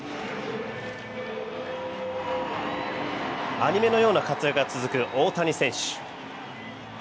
アニメのような活躍を続ける大谷選手。